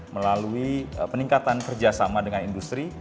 melalui peningkatan kerjasama dengan industri